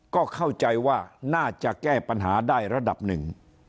ก็เข้าใจว่าน่าจะแก้ปัญหาได้ระดับหนึ่ง